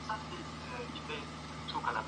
که پوهه وي، نو هېواد به نه نړېږي.